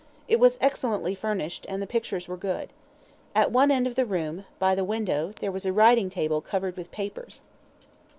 It was excellently furnished, and the pictures were good. At one end of the room, by the window, there was a writing table covered with papers.